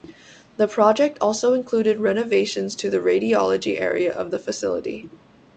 The project also included renovations to the radiology area of the facility.